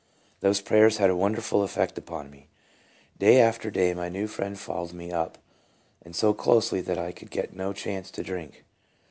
Those prayers had a wonderful effect upon me. Day after day my new friend followed me up, and so closely that I could get no chance to drink.